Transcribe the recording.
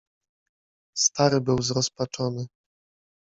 Stary był zrozpaczony.